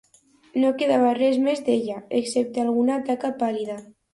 No quedava res més d'ella, excepte aquesta taca pàl.lida.